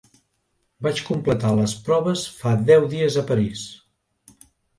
Vaig completar les proves fa deu dies a París.